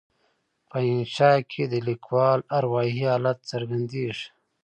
په انشأ کې د لیکوال اروایي حالت څرګندیږي.